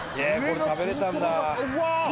これ食べれたんだうわ